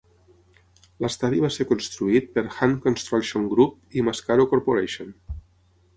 L'estadi va ser construït per Hunt Construction Group i Mascaro Corporation.